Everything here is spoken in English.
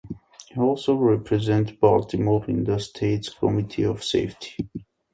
He also represented Baltimore in the state's "Committee of Safety".